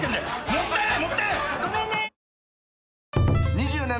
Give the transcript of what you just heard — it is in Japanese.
もったいない。